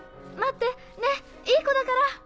待ってねっいい子だから。